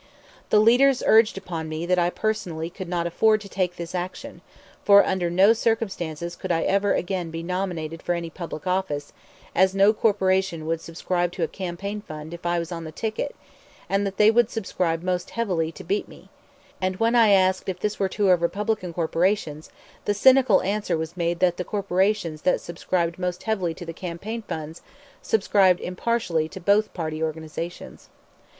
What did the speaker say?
... [The leaders] urged upon me that I personally could not afford to take this action, for under no circumstances could I ever again be nominated for any public office, as no corporation would subscribe to a campaign fund if I was on the ticket, and that they would subscribe most heavily to beat me; and when I asked if this were true of Republican corporations, the cynical answer was made that the corporations that subscribed most heavily to the campaign funds subscribed impartially to both party organizations.